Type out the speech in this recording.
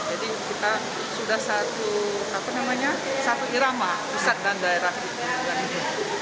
jadi kita sudah satu apa namanya satu irama pusat dan daerah itu